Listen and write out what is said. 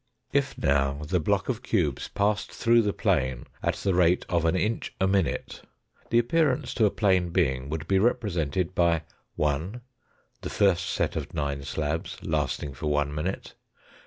If now the block of cubes passed through the plane at the rate of an inch a minute the appearance to a plane being would be represented by : 1. The first set of nine slabs lasting for one minute.